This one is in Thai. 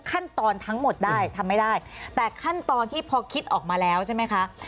ขั้นตอนทั้งหมดได้ทำไม่ได้แต่ขั้นตอนที่พอคิดออกมาแล้วใช่ไหมคะ